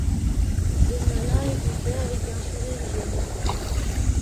Deneulin l’écoutait avec un sourire gêné.